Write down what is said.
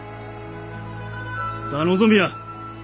さあ望みや！